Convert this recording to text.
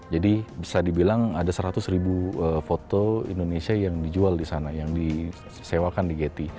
jadi bisa dibilang ada seratus ribu foto indonesia yang dijual di sana yang disewakan di gti